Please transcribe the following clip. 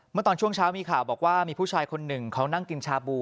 เมื่อตอนช่วงเช้ามีข่าวบอกว่ามีผู้ชายคนหนึ่งเขานั่งกินชาบู